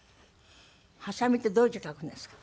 「はさみ」ってどういう字書くんですか？